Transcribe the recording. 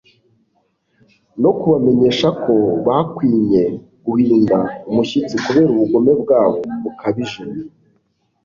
no kubamenyesha ko bakwinye guhinda umushyitsi kubera ubugome bwabo bukabije.